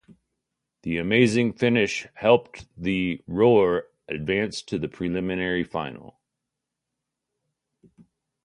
The amazing finish helped the Roar advance to the preliminary final.